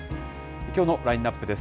きょうのラインナップです。